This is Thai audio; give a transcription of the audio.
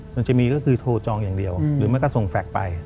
มันจะมีก็คือโทรจองอย่างเดียวหรือมันก็ส่งแฟลกไป